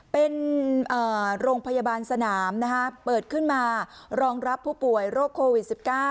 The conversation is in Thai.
เป็นโรงพยาบาลสนามเปิดขึ้นมารองรับผู้ป่วยโรคโควิด๑๙